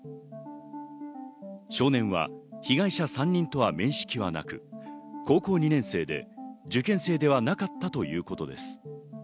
少年は被害者３人とは面識はなく、高校２年生で受験生ではなかったということです。